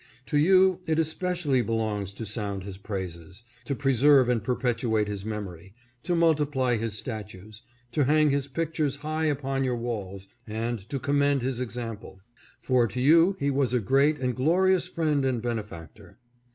To you it especially belongs to sound his praises, to preserve and perpetuate his memory, to multi ply his statues, to hang his pictures high upon your walls, and to commend his example ; for to you he was a great and glorious friend and benefactor.